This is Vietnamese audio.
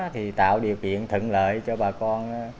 thì tạo điều kiện thận lợi cho bà con